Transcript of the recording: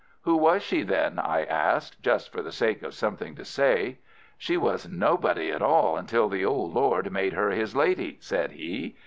"Who was she then?" I asked, just for the sake of something to say. "She was nobody at all until the old Lord made her his Lady," said he.